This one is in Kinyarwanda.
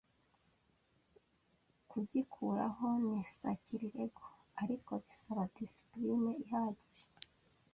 kugikuraho ni sakirirego ariko bisaba discipline ihagije